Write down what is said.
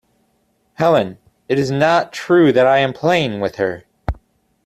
Helene, it is not true that I am playing with her.